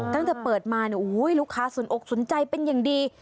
ตั้งแต่เปิดมาลูกค้าสนอกสนใจเป็นอย่างดี